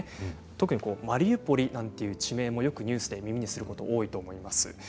特にマリウポリという地名はよくニュースで目にすることが多いと思います。